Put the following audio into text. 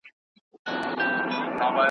نه به ستا په کلي کي په کاڼو چا ویشتلی وي .